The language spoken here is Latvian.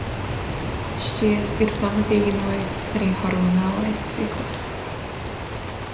Šķiet, ir pamatīgi nojucis arī hormonālais cikls...